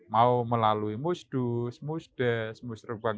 mau melalui musdus musdes musrah